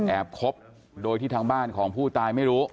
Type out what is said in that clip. คบโดยที่ทางบ้านของผู้ตายไม่รู้